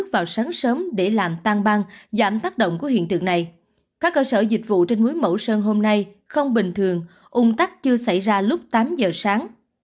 cơ sở dịch vụ trên núi mẫu sơn hôm nay không bình thường ung tắc chưa xảy ra lúc tám giờ sáng